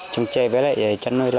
trồng trè với lại chăn nuôi lợn